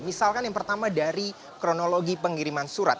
misalkan yang pertama dari kronologi pengiriman surat